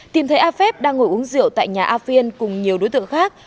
tìm thấy a phép đang ngồi uống rượu tại nhà a phiên cùng nhiều đối tượng khác